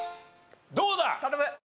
どうだ？